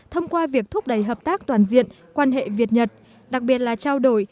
thông qua việc thúc đẩy hợp tác toàn diện quan hệ việt nhật đặc biệt là trao đổi